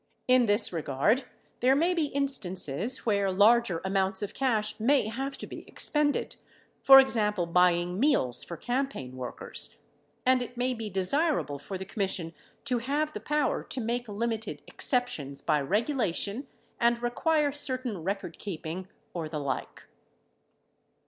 In this regard, there may be instances where larger amounts of cash may have to be expended — for example, buying meals for campaign workers— and it may be desirable for the commission to have the power to make limited exceptions by regulation and require certain recordkeeping or the like.